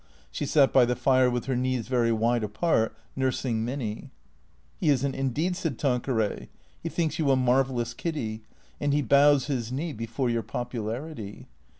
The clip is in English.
She sat by the fire with her knees very wide apart, nursing Minny. " He is n't, indeed," said Tanqueray. " He thinks you a mar vellous Kiddy; and he bows his knee before your popularity.